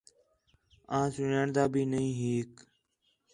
آں سُن٘ڄاݨدا بھی نہیں ہیک